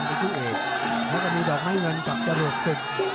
แล้วก็มีดอกไม่เงินกับจรวดศึก